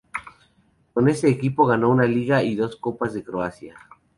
Con este equipo ganó una Liga y dos Copas de Croacia.